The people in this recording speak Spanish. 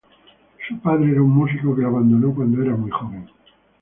Su padre era un músico que la abandonó cuando ella era muy joven.